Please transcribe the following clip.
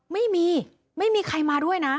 ไม่มีไม่มีใครมาด้วยนะ